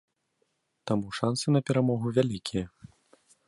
Таму шансы на перамогу вялікія.